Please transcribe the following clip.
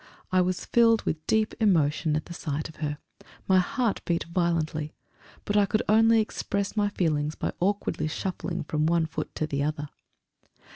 I was filled with deep emotion at the sight of her. My heart beat violently.... But I could only express my feelings by awkwardly shuffling from one foot to the other.